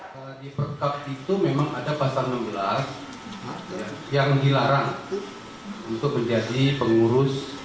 kalau di perkab itu memang ada pasangan gelas yang dilarang untuk menjadi pengurus